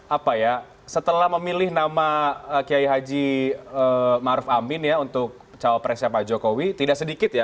apa ya setelah memilih nama kiai haji maruf amin ya untuk cawapresnya pak jokowi tidak sedikit ya